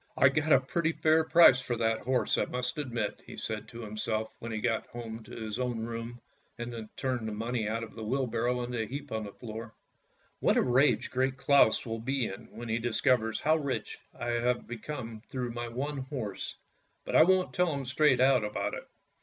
" I got a pretty fair price for that horse I must admit! " said he to himself when he got home to his own room and turned the money out of the wheelbarrow into a heap on the floor. " What a rage Great Claus will be in when he discovers how rich I am become through my one horse, but I won't tell him straight out about it."